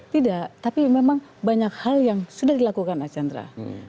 tidak tapi memang banyak hal yang sudah dilakukan archandra